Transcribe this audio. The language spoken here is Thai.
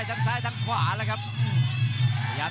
กรรมการเตือนทั้งคู่ครับ๖๖กิโลกรัม